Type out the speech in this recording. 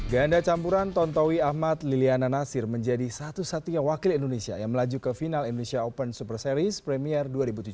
ganda campuran tontowi ahmad liliana nasir menjadi satu satunya wakil indonesia yang melaju ke final indonesia open super series premier dua ribu tujuh belas